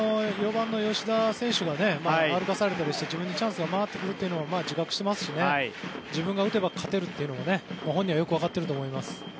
４番の吉田選手が歩かされたりして自分にチャンスが回ってくると自覚していますし自分が打てば勝てると本人はよく分かっていると思います。